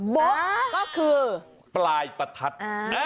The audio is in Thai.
โบ๊คก็คือปลายประทัดอ้าว